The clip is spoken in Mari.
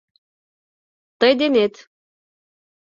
Тый денет.